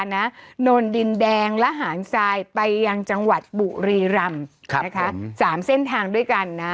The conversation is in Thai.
โนนดินแดงและหารทรายไปยังจังหวัดบุรีรำ๓เส้นทางด้วยกันนะ